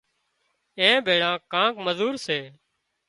اين ڀيۯا ڪانڪ مزور سي